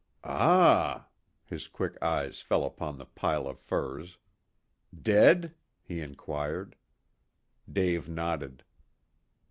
Ah," his quick eyes fell upon the pile of furs. "Dead?" he inquired. Dave nodded.